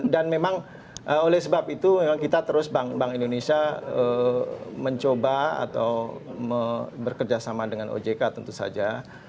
dan memang oleh sebab itu kita terus bank indonesia mencoba atau bekerjasama dengan ojk tentu saja